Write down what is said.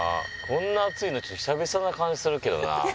こんな暑いのちょっと久々な感じするけどな。